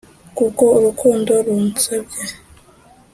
Kuko urukundo runsābye.